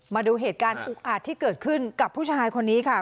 มาดูเหตุการณ์อุกอาจที่เกิดขึ้นกับผู้ชายคนนี้ค่ะ